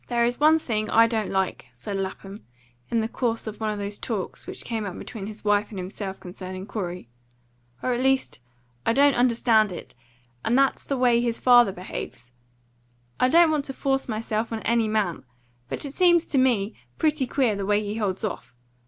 "There is one thing I don't like," said Lapham, in the course of one of those talks which came up between his wife and himself concerning Corey, "or at least I don't understand it; and that's the way his father behaves. I don't want to force myself on any man; but it seems to me pretty queer the way he holds off.